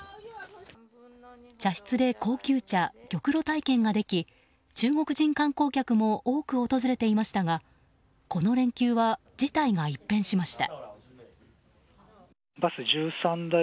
茶室で高級茶・玉露体験ができ中国人観光客も多く訪れていましたがこの連休は事態が一変しました。